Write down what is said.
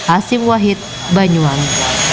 asif wahid banyuwangi